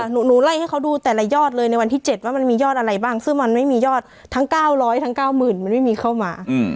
หนูไล่ให้เขาดูแต่ละยอดเลยในวันที่๗ว่ามันมียอดอะไรบ้างซึ่งมันไม่มียอดทั้ง๙๐๐ทั้ง๙๐๐มันไม่มีเข้ามา